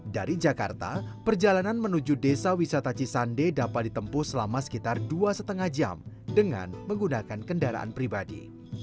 dari jakarta perjalanan menuju desa wisata cisande dapat ditempuh selama sekitar dua lima jam dengan menggunakan kendaraan pribadi